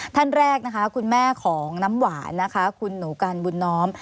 ท่านแรกนะคะคุณแม่ของน้ำหวานนะคะคุณหนูกันบุญน้อม